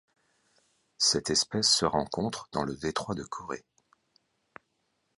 Cette espèce se rencontre dans le détroit de Corée.